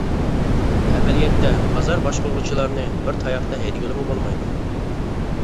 ئەمەلىيەتتە بازار باشقۇرغۇچىلارنى بىر تاياقتا ھەيدىگىلىمۇ بولمايدۇ.